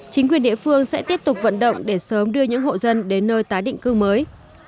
chính quyền địa phương sẽ tiếp tục vận động để sớm đưa những hộ dân đến nơi tái định cư mới